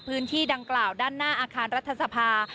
พื้นที่ดังกล่าวด้านหน้าอาคารรัฐสภา